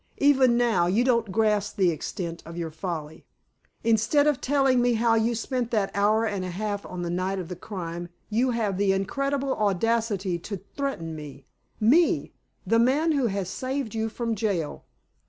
Even now, you don't grasp the extent of your folly. Instead of telling me how you spent that hour and a half on the night of the crime you have the incredible audacity to threaten me, me, the man who has saved you from jail.